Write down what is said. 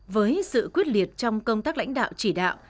với sự quyết liệt trong công tác lãnh đạo chỉ đạo